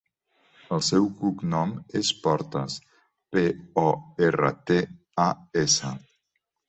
El seu cognom és Portas: pe, o, erra, te, a, essa.